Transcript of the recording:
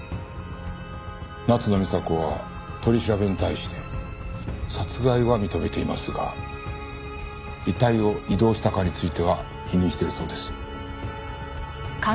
夏野美紗子は取り調べに対して殺害は認めていますが遺体を移動したかについては否認しているそうです。